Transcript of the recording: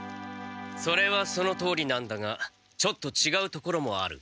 それはそのとおりなんだがちょっとちがうところもある。